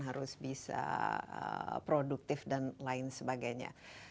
harus bisa produktif dan lain sebagainya